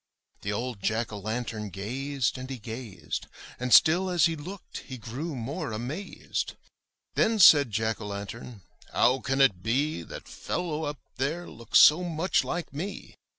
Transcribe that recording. The old Jack o' lantern gazed and he gazed, And still as he looked he grew more amazed. , Then said Jack o' lantern, *'How can it be That fellow up there looks so much like me?